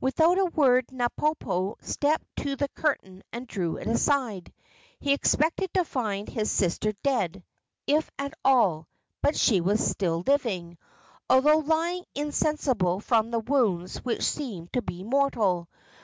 Without a word Napopo stepped to the curtain and drew it aside. He expected to find his sister dead, if at all, but she was still living, although lying insensible from wounds which seemed to be mortal.